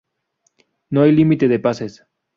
No hay límite de pases.